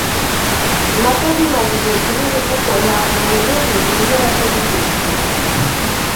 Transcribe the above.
Impaka zimaze igihe kinini kuko ntamuntu numwe wemera ko yibeshye